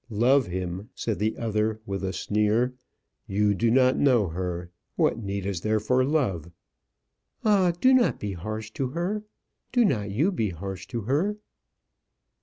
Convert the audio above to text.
"Love him!" said the other with a sneer. "You do not know her. What need is there for love?" "Ah! do not be harsh to her; do not you be harsh to her."